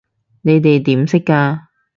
你哋點識㗎？